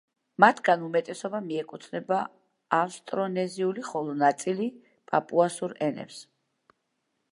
მათგან უმეტესობა მიეკუთვნება ავსტრონეზიული, ხოლო ნაწილი პაპუასურ ენებს.